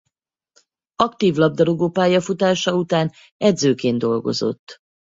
Aktív labdarúgó pályafutása után edzőként dolgozott.